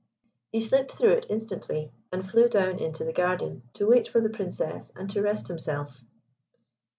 He slipped through it instantly, and flew down into the garden to wait for the Princess and to rest himself.